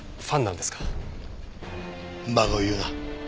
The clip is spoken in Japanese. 馬鹿を言うな。